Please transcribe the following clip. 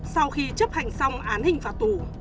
sau khi chấp hành xong án hình phạt tù